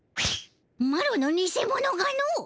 マロのにせ者がの！